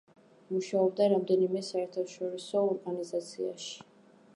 მუშაობდა რამდენიმე საერთაშორისო ორგანიზაციაში.